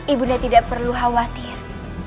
ibunda tidak perlu khawatir